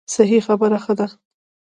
صحیح خبره ښه ده.